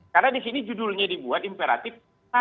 karena di sini judulnya dibuat imperatif